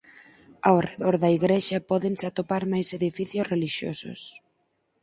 Ao redor da igrexa pódense atopar máis edificios relixiosos.